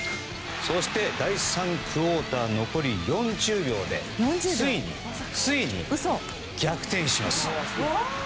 そして、第３クオーターの残り４０秒でついに逆転します。